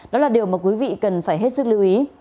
đó là điều mà quý vị cần phải hết sức lưu ý